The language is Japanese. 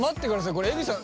これ江口さん